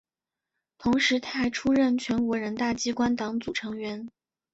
同时她还出任全国人大机关党组成员。